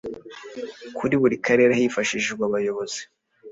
kuri buri karere hifashishijwe abayobozi